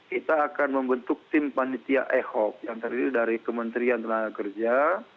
kita akan membentuk tim panitia ad hoc yang terdiri dari kementerian tenaga kerja